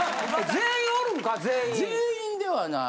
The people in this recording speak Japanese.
全員ではない？